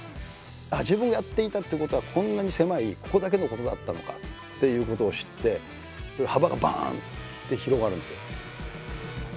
あっ自分がやっていたことはこんなに狭いここだけのことだったのかっていうことを知って幅がバンって広がるんですよ。